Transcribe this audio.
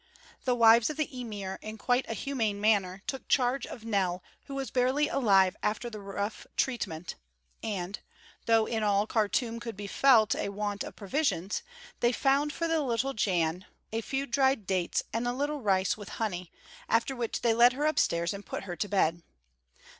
The wives of the emir in quite a humane manner took charge of Nell who was barely alive after the rough treatment, and, though in all Khartûm could be felt a want of provisions, they found for the little "jan"* [* "Jan," an expression of endearment, like "little lamb."] a few dried dates and a little rice with honey; after which they led her upstairs and put her to bed.